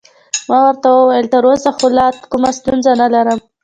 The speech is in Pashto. ما ورته وویل: تراوسه خو لا کومه ستونزه نلرم.